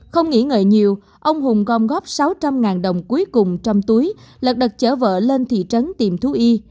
không nghĩ ngợi nhiều ông hùng gom góp sáu trăm linh ngàn đồng cuối cùng trong túi lật đật chở vợ lên thị trấn tìm thu y